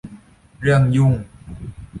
เรื่องยุ่ง